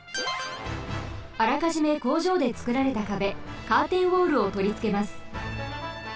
あらかじめ工場でつくられた壁カーテンウォールをとりつけます。